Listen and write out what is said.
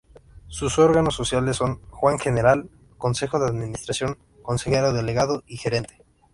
Sus órganos sociales son: Junta General, Consejo de Administración, Consejero Delegado y Gerente.